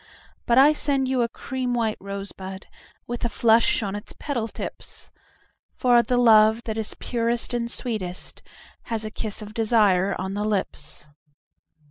But I send you a cream white rosebud 5 With a flush on its petal tips; For the love that is purest and sweetest Has a kiss of desire on the lips.